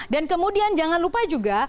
dan kemudian jangan lupa juga